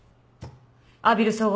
阿比留綜合